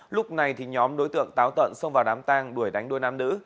lúc này thì nhóm đối tượng táo tận xông vào đám tang đuổi đánh đôi nam nữ